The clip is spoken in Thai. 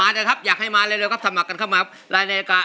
มาเลยครับอยากให้มาเร็วครับสมัครกันเข้ามาครับ